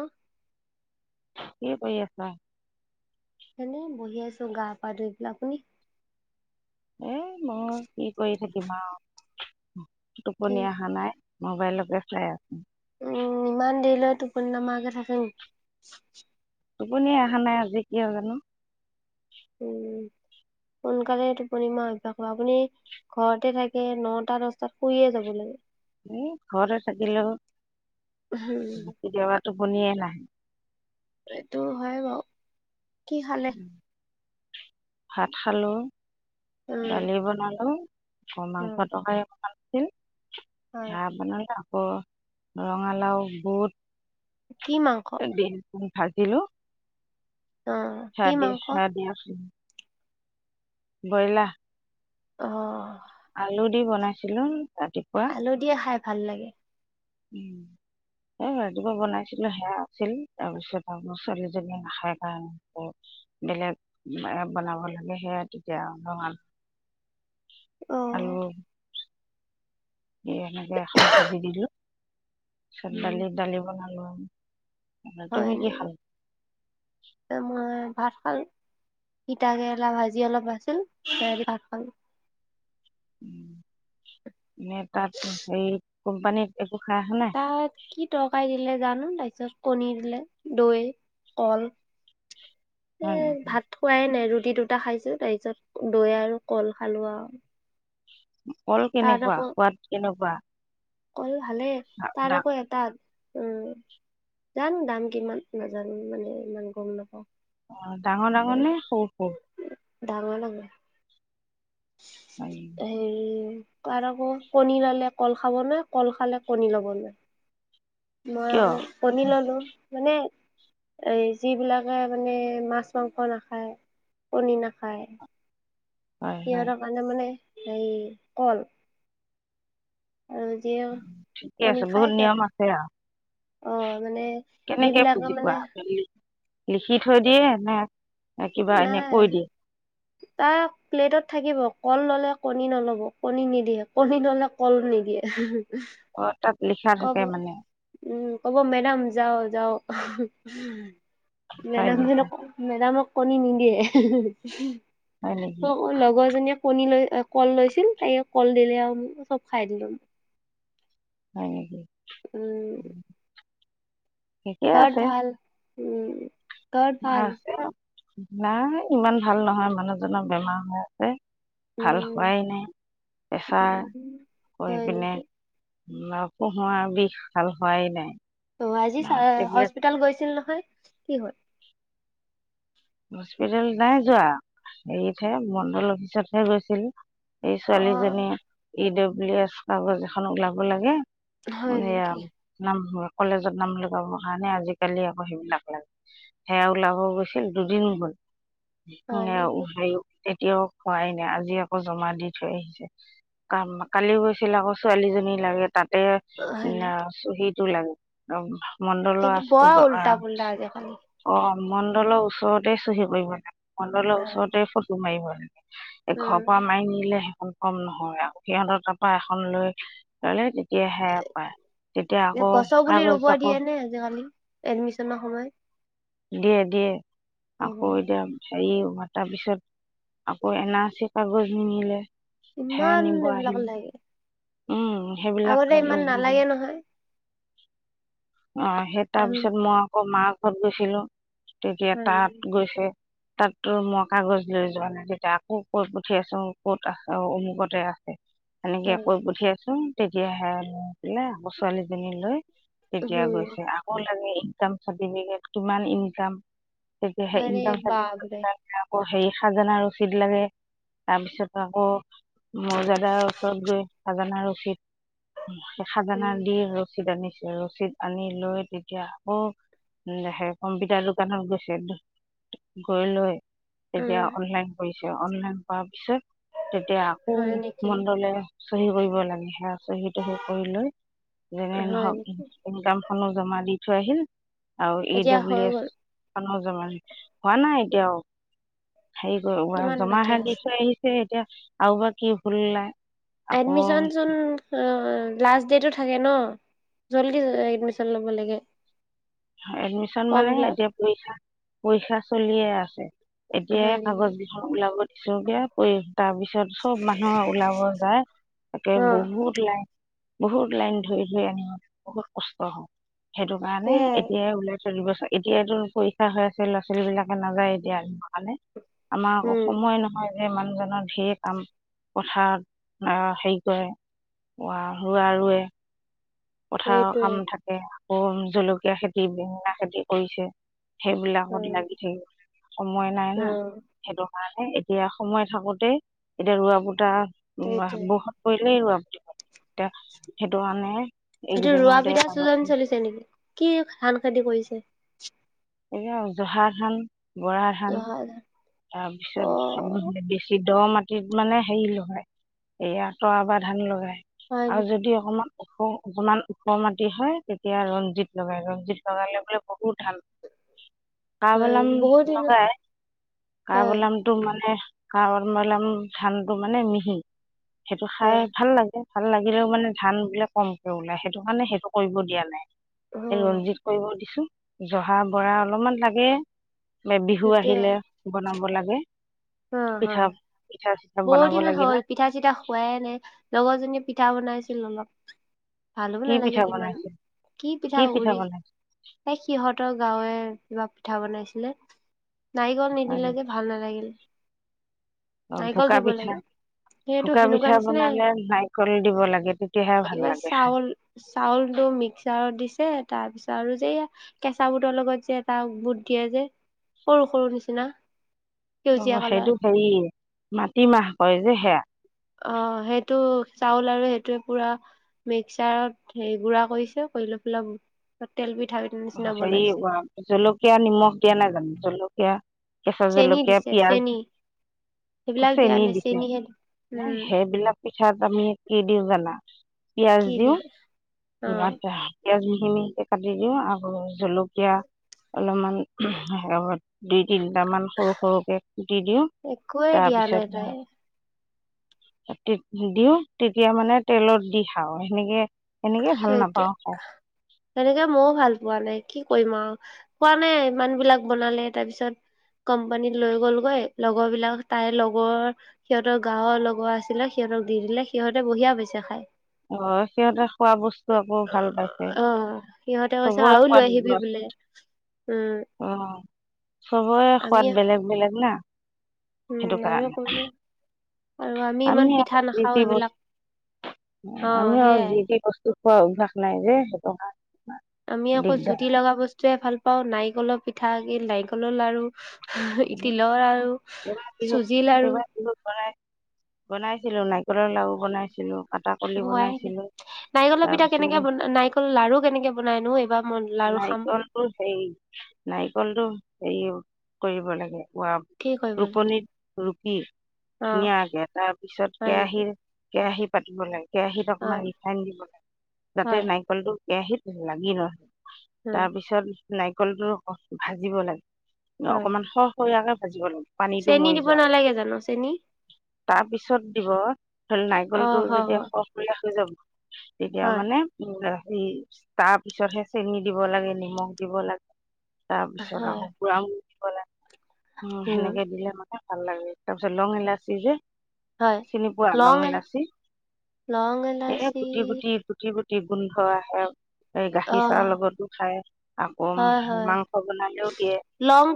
আহা কি কৰি আছা এনে বহি আছো গা পা ধুই পেলাক আ শুনি এ মই কি কৰি থাকিম আৰু উ টোপনি অহা নাই মোবাইলকে খাই আ উম ইমান দেৰি লত দোকোনা মাক থাকে টোপনিয় অহা নাই আজি এইাগানো উম সোনকালে টোপূৰ্ণিমা অভ্যাস ল আপুনি ঘৰতে থাকে নটা দশটাত শুইয়ে যাব লাগে এ ঘৰতে থাকিলেওি দোবাৰটো বনিয়ে নাহে এইটো হয় বাৰু কি হাললে ভাত খালো উম ডালি বনালো আক মাংস ক উম হয় হা বনা ৰঙালাও বুট কি মাংস ত ভ দিলো অ হ কি দিয়া মাংস হ দিয়া। গইলা। অ আলু দি বনাইছিলো আল দিয়ে খাই ভাল লাগে উ স ৰাতিপা বনাইছিলো সেয়া আছিল তাৰপিছত আকৌ ছোৱালীজনীয়ো খাই কাৰণে বেলেগ বনাব লাগে সেয়া তেতিয়া অলপমান অ হল স এনেকে এখন ভাজি দিলো তিছত উম দালিৰ দালি বনাব অ হয় নেকি ত মই ভাত খাল তা কেৰেলা ভাজি অলপ আছিল ভাত খাল মে তাত সে কোম্পানীত খাই অহা নাই তাত কি টকাাই দিলে জানো তাৰপিছত কণী দিলে দৈ কল এ হয় নেকি ভাত খোৱাই নাই ৰু ৰুি দুটা খাইছো তাৰ পিছত দৈ আৰু কল খালোৱা উ কল কেনেকুৱা সোৱাদ কেনেকুৱা কল ভালে তাৰ ডা- আকৌ এটাাত উম জানো দাম কিমান নাজানো মানে ইমান গম নাপাওঁ অ ডাঙৰ ডাঙৰ নে সৰু সৰু ডাঙ লাাগ হয় সেৰি নেকি? আৰু আকৌ কণী লালে কল খাব ন কল খালে কণী ল'বলৈ মই কিয় আকৌ কণী ললো মানে এই যিবিলাকে মানে মাছ মাংস নাখায় কণী নাখায়। হয় হয় সহৰ কাৰানে মানে এই কল আৰু যিয় ঠিকে কণী আছে বহুত খায় নিয়ম সিহঁত আছে আৰু আহ মানে কেনেকে বুজি যিবিলাকে মানে পোৱা লিখি থৈ দিয়ে নে? কিবা এনে নাই কৈ দিয়ে তাক প্লেটত থাকিব। কল ললে কণী নল'ব কণী নিদিয়ে, কণী ললে কল নিদিয়ে। অ তাক কব উম কব মেডাম যাও যাও [unintelligible] হয় মেডাম যে নেকি নক মেডামক কণী নিদিয়ে [unintelligible] হয় ম নেকি অ লগৰজনীয়ে কণী লৈ কল লৈছিল তাই কল দিলে আও চব খাই দিলো। হয়। উম। ঠিকে ঘৰত আছে। ভাল উম। ঘৰত ভাল [inaudible] নাই ইমান ভাল নহয় মানুহ জনৰ বেমাৰ হৈ আছে। ভাল উম হোৱাই নাই প্ৰেছা উম কৰি হয় পিনে নেকি [unintelligible] বিষ ভাল হোৱাই নাই অ আজি টেবলেট হস্পিতাল গৈছিল নহয়। কি হল? হস্পিতেল নাই যোৱা। হেৰিতহে মণ্ডল অফিচতহে গৈছিল। এই ছোৱালীজনীয়ে অ', [inaudible] [unintelligible] কাগজ এখনক ওলাব লাগে হয় এয়া নেকি? নাম ঘৰত। কলেজত নাম লগাবৰ কাৰণে আজিকালি আকৌ সেইবিলাক লাগে। সেয়া ওলাব গৈছিল দুদিন হয় হ'ল নেকি [unintelligible] কেতিয়াও খোৱাই নাই, আজি আকৌ জমা দি থৈ আহিছে। কালি গৈছিল আকৌ ছোৱালীজনী লাগে তাত এ অ', হয় নেকি [unintelligible] [unintelligible] মণ্ডল আ সেইটো উ বৰ উল্টা পুল্টা আজিকালি। অ অ। মণ্ডল উছ চতে চহী কৰিব [inaudible] মণ্ডলৰ ওচৰতে ফটো মাৰিব। এ ঘৰ পোৱা উম, মাৰ নিলে কম নহয় আৰু সিহঁতৰ তাৰ পৰা এখন লৈ ল'লে তেতিয়া সেয় পায়। তেতিয়া এ আকৌ গছৰ পুলি ৰুব কাগজ দিয়ে আকৌ নে আজিকালি এডমিচনৰ সময় দিয়ে-দিয়ে আকৌ এতিয়া হেই মাতা পিছত আকৌ এন আ চি পা গৈ সি নিলে ৷ ইমান এইবিলাক লাগে [unintelligible] উম সেইবিলাক আগতে ইমান কাগজ লাগিল নালাগে নহয় ৷ অ সেই তাৰ আম পিছত মই আকৌ মাক [inaudible] খৰদশিল [unintelligible] তেতিয়া হয় তাত গৈছে ৷ তাতো মই কাগজ লৈ যোৱা নাই তেতিয়া আকৌ কৈ পঠিয়াইছো ক'ত আছে অমুকতে আছে৷ সনেকে হয়। কৈ পঠিয়াইছো ৷ তেতিয়াহে লৈ আকৌ ছোৱালীজনী লৈ তেতিয়া উম, গৈছে আকৌ লাগে ইনকাম চাৰ্টিফিকেট কিমান ইনকাম তেহ আৰে ইদ ভাল বাপৰে সেই [unintelligible] খাজানা ৰচিদ লাগে তাৰপিছত আকৌ মৌজাদাৰ ওচৰত গৈ খাজানা ৰ [unintelligible] উম, খাজানা দি ৰচিদ আনি ৰচিদ আনি লৈ তেতিয়া আকৌ সে কম্পিউটাৰ দোকানত গৈছে গৈ লৈ তেতিয়া উম, অনলাইন কৰি ছে অনলাইন কৰা পিছত তেতিয়া আকৌ হয় নেকি? মণ্ডলে চহী কৰিব লাগে হেয়া চহি তহা সি কৰি লৈ যে হয় নহক নেকি ইনকাম খনো জমা দি থৈ আহিল আৰু ই এতিয়া হৈ ডব্লিউ এছ গ'ল খনো হোৱা নাই এতিয়াও৷ সেই কৰো কিমান জমা বাকী হে দি আছে? থৈ আহিছে এতিয়া আউ বা কি ভুল ওলাই৷ আকৌ এডমিচন চোন অ লাষ্ট ডেটো থাকে ন জল্দি এডমিচন ল'ব লাগে ৷ এডমিচন মানে এতিয়া পৰীক্ষা পৰক্ষা। চলিয়ে আছে। এতিয় হয় নেকি কাগজ বিখন ওলাবত। পছকে পৰি। তাৰ পিছত চব মানুহে ওলাব যায় তাকে অ বহুত লাগ। বহুত লাইন ধৰি ধুই আন বহুত কষ্ট হয়। সেইটো কাৰণে। সেইয়াই চল্লি বছৰ এতিয়ো পৰীক্ষা হৈ আছে ল'ৰা ছোৱালী বিলাকে নাযায় এতিয়া কাৰণে। আমাৰ উম অসময় নহয়। মানুহজনৰ ধঢেৰ কাম পথাৰত হেৰি কৰে ৰোৱা ৱে। কথাাৰ সেইটোৱে কাম থাকে। ম জলকীয়া খেতি বেঙনা খেতি কৰিছে সেইবিলাক আত উম লাগি থাক সময় নাই অ না সেইটো কাৰে এতিয়া সময় থাকোতে এতিয়া ৰোৱা বত উ সেইটোৱে বহুত। ন আ এয়া সেইটো কাৰণে এইটো ৰোৱা এইকেইদিনতে বিিধা কাগজ চজন চলিছে নেকি কি ধান খেতি কৰিছে এইব জহাৰখনান। বৰা ধান। অ অ তাৰপিছত আে বেছি। দ মাটিত মানে হেৰি লগয় এই আঁতৰা বা ধান লগাই। হয় আৰু নেকি যদি অকমান। ওখ অকমান ওখ মাটি হয় তেতিয়া ৰঞ্জিত লগাই ৰঞ্জিত লগালে বোলে বহুত ধাল হয় কবলাম বহুত দিনৰ লগগাই ক হয় বলাম তোম মানে গৱ মল ধানটো মানে মিহি সেইটো খাই হয় ভাল লাগে ভাল লাগিলেও মানে ধান বোলে কমকে ওলাই সেইটো কাৰণে সেইটো কৰিব দিয়া নাই অ এই ৰঞ্জিত কৰিব দিছো জহা বৰা অলপমান লাগে। মে বিহু আহিলে। বনাব লাগে। আহ, হা পিঠা পিঠা চিঠা বহুত বনাব দিনত লাগিলে হ'ল পিঠা চিঠা খোৱাই নাই লগৰজনীয়ে পি পিঠা বনাইছিল অলপ। ভালো কি পিঠা নালাগিল ইমান বনাইছে কি পিঠা গুৰি এই সিহঁতৰ গাঁৱৰে। কিবা পিঠা বনাইছিলে। নাৰিকল নিদিলেকে ভাল নালাগিল। অঁ নাৰিকল ভোকা দিব পিঠা লাগে সেইটো ভোকা সেনেকুৱা পিঠা নিচিনাই বনালে নাৰিকল দিব লাগে তেতিয়াহে ভাল ইবাৰ লাগে খাই চাউল- চাউলটো মিক্সাৰত দিছে তাৰ পিছত আৰু যে এইয়া কেচা বুটৰ লগত যে এটা বুট দিয়ে যে সৰু- সৰু নিচিনা। অহ, সেউজীয়া কালাৰ সেইটো হেৰি মাটিমাহ কয় যে সেয়া। অহ, সেইটো চাউল আৰু সেইটোৱে পুৰা মিক্সাৰত হেৰি গুড়া কৰিছে কৰি লৈ পেলাই তেল পি হেৰি ৱা জলকীয়া নিমখ দিয়া নাই জানো জলক কিয়া। কেচা চেনি জলকীয়া দিছে পিয়াজ চেনি সেইবিলাক দিয়া চেনি নাই দিছে চেনিহে উম সেইবিলাক পিঠাত আমি কি [unintelligible] পিয়াজ কি দিও। দিয়ে অ [unintelligible] পিয়াজ মিহি- মিহিকে কাটি দিয়ে আৰু জলকীয়া অলপমান [unintelligible] তিনিটামান সৰু- সৰুকে কুটি দিয়ে একোৱে দিয়া নাই তাৰপিছত তাই [unintelligible] দিয়ে তেতিয়া মানে তেলত দি খাও সেনেকে সেনেকে ভাল সেইটোৱে নাপাওঁ খাই হেনেকে ময়ও ভাল পোৱা নাই কি কৰিম আৰু। কোৱা নাই ইমান বিলাক বনালে তাৰ পিছত কোম্পানীত লৈ গলগৈ লগৰ বিলাক তাইৰ লগৰ সিহঁতৰ গাৱৰ লগৰ আছিলে সিহঁতক দি দিলে সিহঁতে বঢ়িয়া পাইছে খাই। অ সিহঁতে খোৱা বস্তু আকৌ ভাল পাইছে অ সিহঁতে কৈছে চবৰে আৰু লৈ আহিবি সোৱাদ বোলে [unintelligible] উম অহ। চবৰে আমি সোৱাদ বেলেগ -বেলেগ না। সেইটো উম আমিও কাৰণে কলো আৰু ইমান আমি পিঠা আৰু যি নাখাও তি সেইবিলাক বস্তু অ [inaudible] আমি আৰু সেয়াই যি তি বস্তু খোৱা অভ্যাস নাই যে সেইটো কাৰনে আমি আকৌ জুতি লগা বস্তুয়ে ভাল পাওঁ নাইকল পিঠা গুৰি নাৰিকলৰ লাৰু। [unintelligible] তিলৰ লাৰু চুজি লাৰু। বনাইছিলো নাৰিকলৰ লাৰু বনাইছিলো। আটা কলি হোৱাই নাই বনাইছিলো নাৰিকলৰ পিঠা তাৰপিছত কেনেকে [inaudible] বনা নাৰিকল লাৰু কেনেকে বনাইনো এইবাৰ মই লাৰু খাম নাৰিকলটো সেই নাৰিকলটো [unintelligible] কৰিব লাগে কি কৰিব লাগে ৰুকনিত ৰুকি অ ধুনীয়াকে তাৰ পিছত হয় নেকি কেৰাহীৰ কেৰাহীত পাতিব লাগে। কেৰাহীত হয় অকমান ৰিফাইন দিব লাগ যাতে হয় নাৰিকলটো কেৰাহীত লাগি নধৰে উম তাৰপিছত নাৰিকলটোৰ ভাজিব লাগে। অকনমান শৰ হৈয়াকে ভাজিব লাগে পানীটো চেনী মৰি দিব যোৱা নালাগে জানো চেনী তাৰপিছত দিব ধৰি নাৰিকল অ টো হয় যদি হয় খো ক্ষয়া হলে গ যাব তেতিয়া হয় মানে উ এই তাৰ পিছতহে চেনি দিব লাগে নিমখ দিব লাগে। তাৰ পিছত হয় আকৌ পুৰা দিব লাগে উম সেনেকে দিলে মানে ভ লাগে তব চ লং ইলা চি যে হয় চিনি পোৱা লং ইলাচি লং এ এলাচি গুটি গুটি গুটি গুটি গোন্ধ আহে। এই অ গাখীৰ চাৰৰ লগতো খায় আকৌ হয় মাংস বনালেও দিয়ে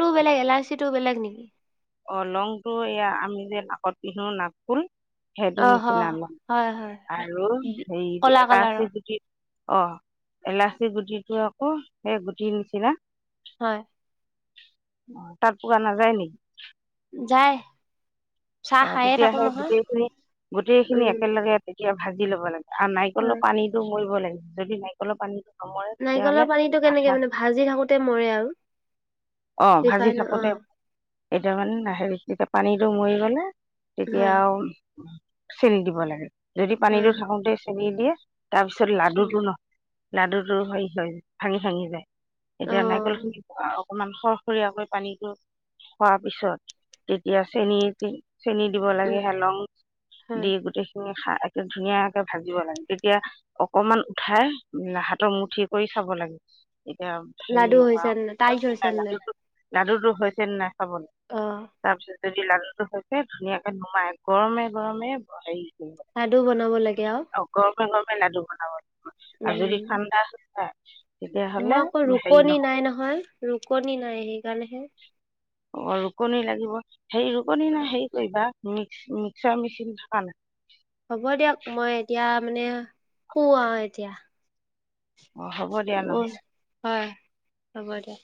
টো বেলেগ ইলাছি টো বেলেগ নেকি? অ লং টো এয়া আমি যে নাকত পিন্ধো নাক ফুল সেইটো অ হ নিচিনা লম হয় হয় আৰু হে কলা ইলাচি কালাৰৰ গুটিটো অ ইলাচি গুটিটো আকৌ সেই গুটিৰ নিচিনা হয় অ তাৰ প আ না যায় নেকি? যায় অ তেতিয়া সেই গোটেইখিনি গোটেই খিনি উম একেলগে এতিয়া ভাজি ল'ব লাগে। আৰু হয় নাৰিকললেও পানীতটো মৰিব লাগে। যদি নাৰিকলৰ পানীত নাৰিকলৰ পানীতটো কেনেকে মানে ভাজি থাকোতে মৰে আৰু অ ভাজি ৰিফাইন থাকো অ দে এতিাৰ মানে লাহেখ পানীটো মৰি গলে তেতিয়া হয় আৰুও চেল দিব লাগে যদি অ পানীতো থাকোতে চেনি এ তাৰ পিছত লাডুটো ন লাডু টো হেৰি হয় ভাঙি ভাঙি যায় অ এতিয়া নাই কলোন অকমান সৰসৰীয়াকৈ পানীতো খোৱাৰ পিছত তেতিয়া চেনী চেনি দিব লাগে উম হালং হয় দি গোটেইখিনি একে ধুনীয়াকে ভাজিব লাগে তেতিয়া অকমান উঠাই হাতৰ মুঠি কৰি চাব লাগে লাডু হৈছে তাইজ হৈছে নে নাই [inaudible] লাডুু হৈ হৈছে না আব অ তাৰপিছত যদি লালুটো হৈছে ধুনীয়াকে নুমাই গৰমে গৰমে হেৰি লডু বনাব লাগে আৰু মগে লাডু বনোৱা আৰু যদি উম ঠাণ্ডা অ আমাৰ আকৌ ৰুকনি নাই নহয় ৰুকনি নাই সেইকাৰণেহে অকণি লাগিব হে ৰুপনী অ, না হেৰি কৰিবা মিক্স মিক্সাৰ মিচিন খ না হ'ব দিয়ক মই এতিয়া মানে পো আৰু এতিয়া অঁ হ'ব দিয়া নহ'লে অ হয় হ'ব দে